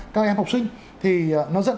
các em học sinh thì nó dẫn